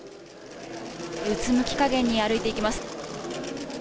うつむきかげんに歩いていきます。